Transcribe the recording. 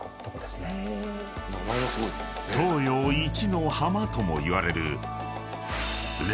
［東洋一の浜ともいわれる］